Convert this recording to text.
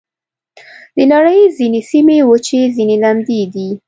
د نړۍ ځینې سیمې وچې، ځینې لمدې دي.